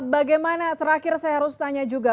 bagaimana terakhir saya harus tanya juga